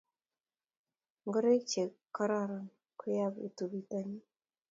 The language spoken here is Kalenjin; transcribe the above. Ngoroik che kororon koyabu pitanin